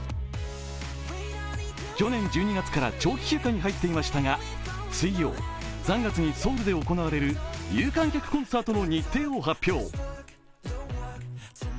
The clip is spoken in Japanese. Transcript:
去年１２月から長期休暇に入っていましたが、水曜、３月にソウルで行われる有観客コンサートの日程を発表。